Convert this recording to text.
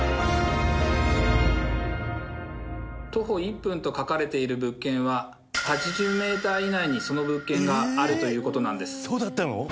徒歩１分と書かれている物件は８０メーター以内にその物件があるという事なんです。